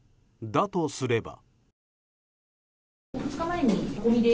だとすれば。